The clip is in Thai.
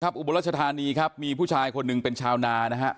อุบลรัชธานีครับมีผู้ชายคนหนึ่งเป็นชาวนานะฮะ